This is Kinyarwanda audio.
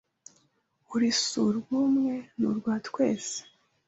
Uri surwumwe nurwa twse